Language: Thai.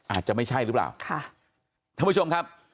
อาจจะไม่ใช่หรือเปล่าค่ะท่านผู้ชมครับ